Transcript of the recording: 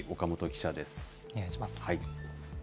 お願いします。